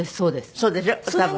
そうでしょ多分。